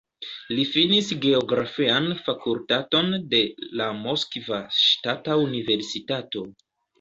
Li finis geografian fakultaton de la Moskva Ŝtata Universitato.